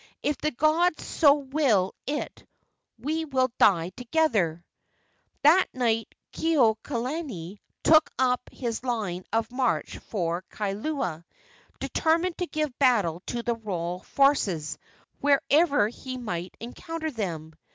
"If the gods so will it we will die together!" That night Kekuaokalani took up his line of march for Kailua, determined to give battle to the royal forces wherever he might encounter them.